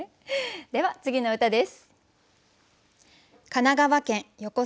では次の歌です。